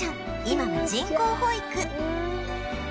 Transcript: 今は人工保育